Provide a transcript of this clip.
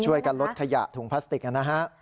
ช่วยกันลดขยะถุงพลาสติกนะฮะ